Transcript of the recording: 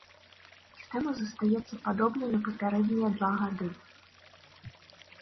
Сістэма застаецца падобнай на папярэднія два гады.